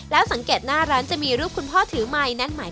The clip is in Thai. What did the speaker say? แล้วสังเกตหน้าร้านจะมีรูปคุณพ่อทืมัย